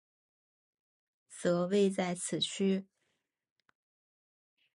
则位在此区。